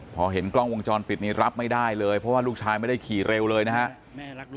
พอเห็นกล้องวงจรปิดนี้รับไม่ได้เลยเพราะว่าลูกชายไม่ได้ขี่เร็วเลยนะครับ